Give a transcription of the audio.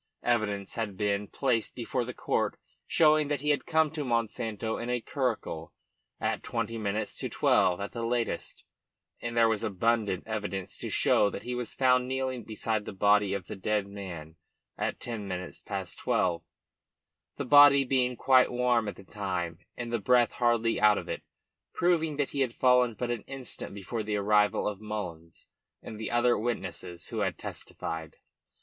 Evidence had been placed before the court showing that he had come to Monsanto in a curricle at twenty minutes to twelve at the latest, and there was abundant evidence to show that he was found kneeling beside the body of the dead man at ten minutes past twelve the body being quite warm at the time and the breath hardly out of it, proving that he had fallen but an instant before the arrival of Mullins and the other witnesses who had testified.